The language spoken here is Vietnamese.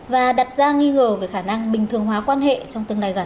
và đặt ra nghi ngờ về khả năng bình thường hóa quan hệ trong tương lai gần